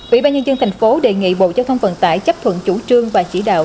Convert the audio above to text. ủy ban nhân dân thành phố đề nghị bộ giao thông vận tải chấp thuận chủ trương và chỉ đạo